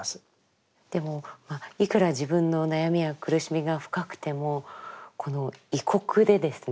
でもいくら自分の悩みや苦しみが深くてもこの異国でですね